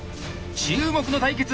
注目の対決